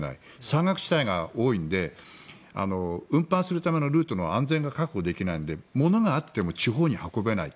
山岳地帯が多いので運搬するためのルートの安全が確保できないので物があっても地方に運べない。